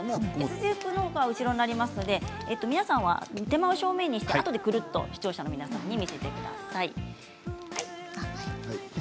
Ｓ字フックのほうが後ろになりますので皆さん、手前を正面にしてあとでくるっと視聴者の皆さんに見せてください。